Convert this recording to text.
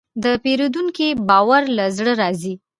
د پیرودونکي باور له زړه راځي.